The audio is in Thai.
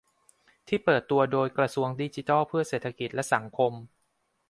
ที่เปิดตัวโดยกระทรวงดิจิทัลเพื่อเศรษฐกิจและสังคม